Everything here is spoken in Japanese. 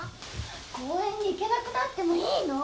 公園に行けなくなってもいいの？